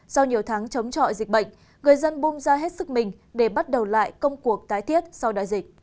sau nhiều tháng chống trọi dịch bệnh người dân bung ra hết sức mình để bắt đầu lại công cuộc tái thiết sau đại dịch